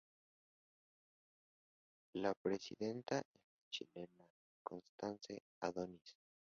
La presidenta es la chilena Constance Adonis.